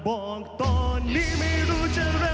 ก็บอกตอนนี้ไม่รู้จะเร็วไปหรือไม่